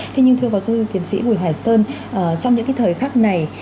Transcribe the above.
thế nhưng thưa bà sư tiến sĩ bùi hoài sơn trong những cái thời khắc này